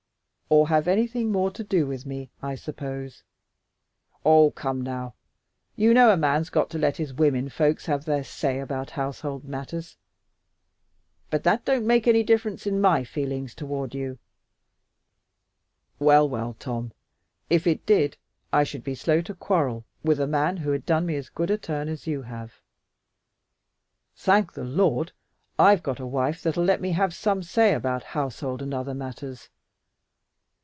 "Or have anything more to do with me, I suppose?" "Oh, come now! You know a man's got to let his women folks have their say about household matters, but that don't make any difference in my feelings toward you." "Well, well, Tom! If it did, I should be slow to quarrel with a man who had done me as good a turn as you have. Thank the Lord! I've got a wife that'll let me have some say about household and all other matters.